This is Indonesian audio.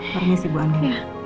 permisi ibu anu